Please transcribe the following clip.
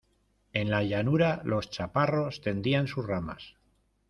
en la llanura los chaparros tendían sus ramas